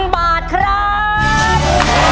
๘๘๐๐๐บาทครับ